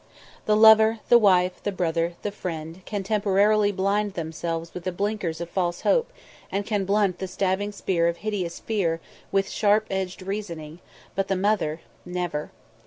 The lover, the wife, the brother, the friend, can temporarily blind themselves with the blinkers of false hope and can blunt the stabbing spear of hideous fear with sharp edged reasoning, but the mother never.